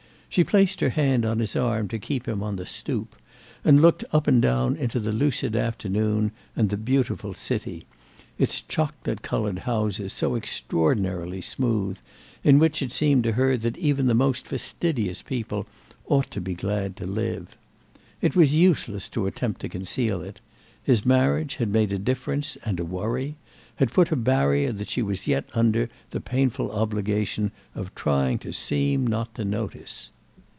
She placed her hand on his arm to keep him on the "stoop" and looked up and down into the lucid afternoon and the beautiful city—its chocolate coloured houses so extraordinarily smooth—in which it seemed to her that even the most fastidious people ought to be glad to live. It was useless to attempt to conceal it: his marriage had made a difference and a worry, had put a barrier that she was yet under the painful obligation of trying to seem not to notice.